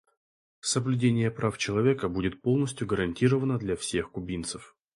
Соблюдение прав человека будет полностью гарантировано для всех кубинцев.